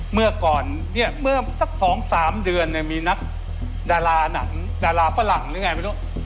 เมื่อก่อนเนี่ยเมื่อสัก๒๓เดือนเนี่ยมีนักดาราหนังดาราฝรั่งหรือไงไม่รู้